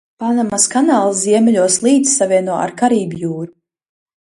Panamas kanāls ziemeļos līci savieno ar Karību jūru.